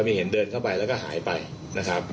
ไม่เห็นเดินเข้าไปแล้วก็หายไปนะครับ